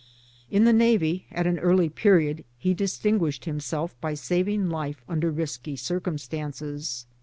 ] In the Navy, at an early period, he distinguished himself by saving life under risky cir cumstances.